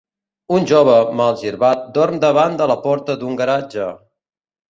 Un jove malgirbat dorm davant de la porta d'un garatge